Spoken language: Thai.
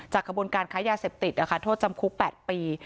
จากกระบวนการขายยาเสพติดโทษจำคุก๘ปี